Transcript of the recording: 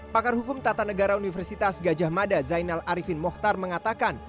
pakar hukum tata negara universitas gajah mada zainal arifin mohtar mengatakan